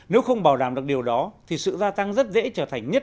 nếu không bảo đảm được điều đó thì sự gia tăng rất dễ trở thành nhất